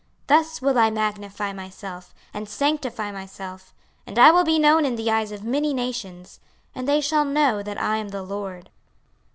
26:038:023 Thus will I magnify myself, and sanctify myself; and I will be known in the eyes of many nations, and they shall know that I am the LORD.